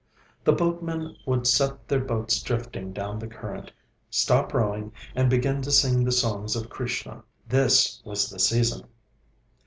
The boatmen would set their boats drifting down the current, stop rowing, and begin to sing the songs of Krishna. This was the season.